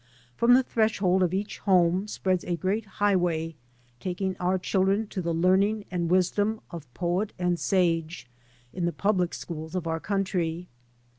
From the threshold of each home spreads a great highway taking our children to the learning and wisdom of poet and sage in the public schools of our country.